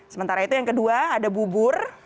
sementara itu yang kedua ada bubur